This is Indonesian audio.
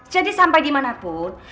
jadi sampai dimanapun